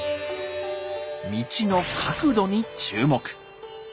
道の角度に注目。